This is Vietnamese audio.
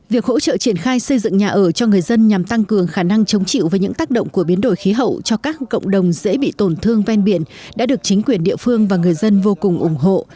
việc hỗ trợ triển khai xây dựng nhà ở cho người dân nhằm tăng cường khả năng chống chịu với những tác động của biến đổi khí hậu cho các cộng đồng dễ bị tổn thương ven biển đã được chính quyền địa phương và người dân vô cùng ủng hộ